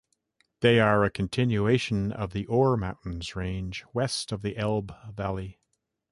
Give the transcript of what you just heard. They are a continuation of the Ore Mountains range west of the Elbe valley.